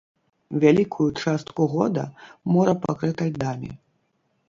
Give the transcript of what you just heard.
Вялікую частку года мора пакрыта льдамі.